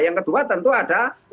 yang kedua tentu ada law enforcement kan